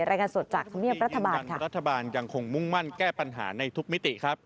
รายงานสดจากธรรมเนียบรัฐบาลค่ะรัฐบาลยังคงมุ่งมั่นแก้ปัญหาในทุกมิติครับ